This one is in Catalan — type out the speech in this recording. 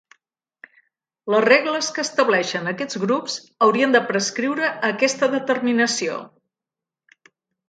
Les regles que estableixen aquests grups haurien de prescriure aquesta determinació.